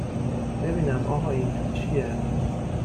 ببینم آقا این تو چیه؟